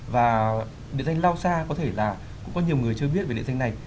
và địa danh lau sa có thể là cũng có nhiều người chưa biết về địa danh này